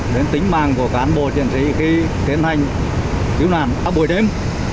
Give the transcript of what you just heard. đến tính mạng của cán bộ chiến sĩ khi tiến hành cứu nạn các buổi đêm